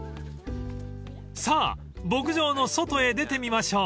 ［さあ牧場の外へ出てみましょう］